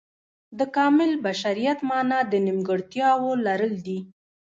د کامل بشریت معنا د نیمګړتیاو لرل دي.